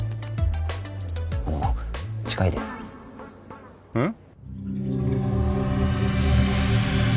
あの近いですうん？